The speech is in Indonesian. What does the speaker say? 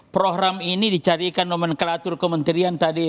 program ini dicarikan nomenklatur kementerian tadi